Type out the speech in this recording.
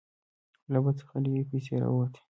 له بت څخه ډیرې پیسې راوتې.